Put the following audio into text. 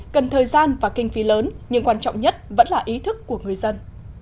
cần thời gian và kinh phí lớn nhưng quan trọng nhất vẫn là ý thức của người dân